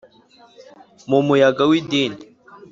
mu muyaga w'idini